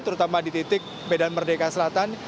terutama di titik medan merdeka selatan